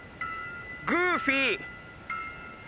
グーフィー。